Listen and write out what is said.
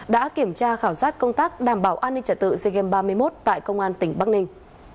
đã kiểm tra khảo sát công tác đảm bảo an ninh trả tự sea games ba mươi một tại công an tỉnh bắc ninh